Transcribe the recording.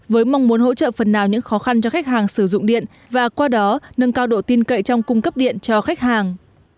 với mong muốn hỗ trợ phần nào những khó khăn cho khách hàng sử dụng điện và qua đó nâng cao độ tin cậy trong cung cấp điện cho khách hàng